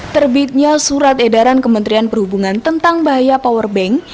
terbitnya surat edaran kementerian perhubungan tentang bahaya powerbank